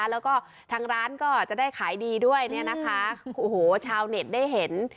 แล้วก็ทางร้านก็จะได้ขายดีด้วยเนี่ยนะคะโอ้โหชาวเน็ตได้เห็น